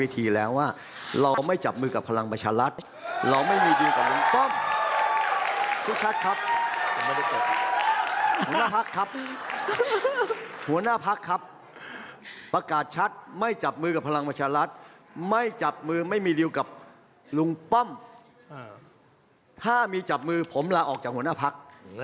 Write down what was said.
ถ้าจะฟังแบบจบเลยบรรทะสุดท้ายคือมติพักหรือหัวหน้าพัก